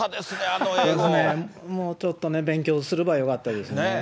もうちょっとね、勉強すればよかったですね。